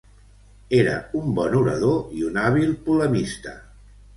Era un bon orador i un hàbil polemista.